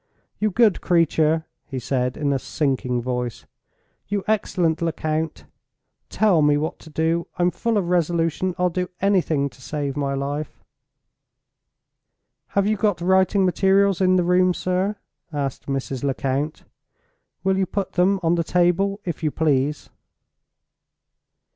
"You good creature!" he said, in a sinking voice. "You excellent Lecount! Tell me what to do. I'm full of resolution—I'll do anything to save my life!" "Have you got writing materials in the room, sir?" asked Mrs. Lecount. "Will you put them on the table, if you please?"